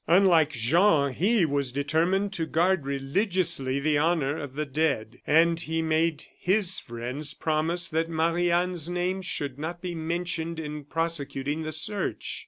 Unlike Jean, he was determined to guard religiously the honor of the dead; and he had made his friends promise that Marie Anne's name should not be mentioned in prosecuting the search.